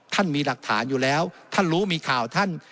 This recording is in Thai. ท่านมีหลักฐานอยู่แล้วท่านรู้มีข่าวท่าน